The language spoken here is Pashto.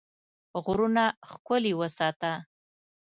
غرونه ښکلي وساته.